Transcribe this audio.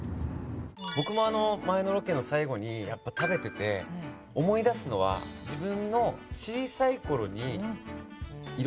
僕も前のロケの最後にやっぱ食べてて思い出すのは自分の小さい頃に彩っていた食卓だったりとか。